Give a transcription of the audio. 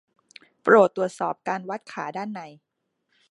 โปรดตรวจสอบการวัดขาด้านใน